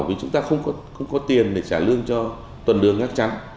vì chúng ta không có tiền để trả lương cho tuần đường ngác trắng